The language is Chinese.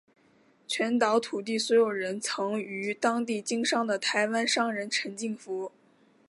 全岛土地所有人为曾于当地经商的台湾商人陈进福。